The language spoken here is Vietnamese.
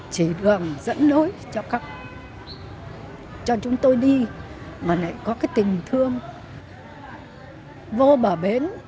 chỉ đường dẫn lối cho chúng tôi đi mà lại có cái tình thương vô bờ bến